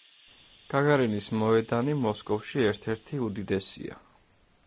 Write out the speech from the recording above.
გაგარინის მოედანი მოსკოვში ერთ-ერთი უდიდესია.